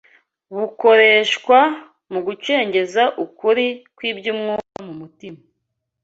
bukoreshwa mu gucengeza ukuri kw’iby’umwuka mu mutima